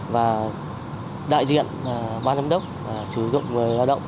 và đại diện ban giám đốc sử dụng người lao động